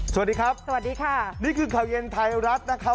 สวัสดีครับสวัสดีค่ะนี่คือข่าวเย็นไทยรัฐนะครับ